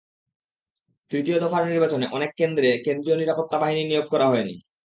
তৃতীয় দফার নির্বাচনে অনেক কেন্দ্রে কেন্দ্রীয় নিরাপত্তা বাহিনী নিয়োগ করা হয়নি।